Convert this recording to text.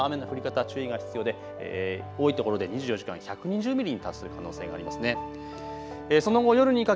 伊豆諸島南部では雨の降り方、注意が必要で多い所で２４時間１２０ミリに達する可能性がありますね。